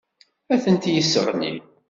Ad tent-yesseɣli.